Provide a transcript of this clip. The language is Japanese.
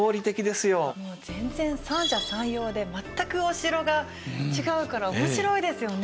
もう全然三者三様で全くお城が違うから面白いですよね。